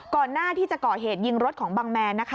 ก่อนหน้าที่จะก่อเหตุยิงรถของบังแมนนะคะ